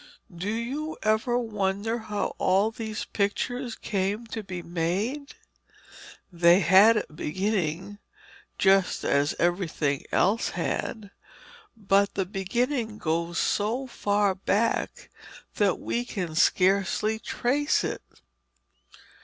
Do you ever wonder how all these pictures came to be made? They had a beginning, just as everything else had, but the beginning goes so far back that we can scarcely trace it.